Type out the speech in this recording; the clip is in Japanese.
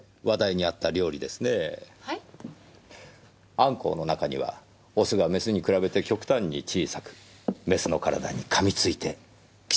アンコウの中にはオスがメスに比べて極端に小さくメスの体に噛みついて寄生する種類がいるそうです。